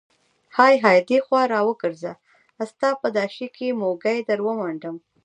های های دې خوا راوګرزه، ستا په دا شي کې موږی در ومنډم.